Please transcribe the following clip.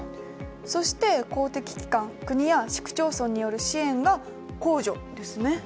そして公的機関国や市区町村による支援が公助ですね。